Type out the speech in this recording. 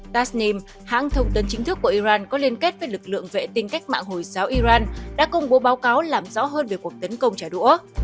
tasnim hãng thông tin chính thức của iran có liên kết với lực lượng vệ tinh cách mạng hồi giáo iran đã công bố báo cáo làm rõ hơn về cuộc tấn công trả đũa